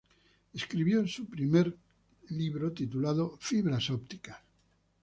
Escribió su primer libro titulado "Fibras ópticas.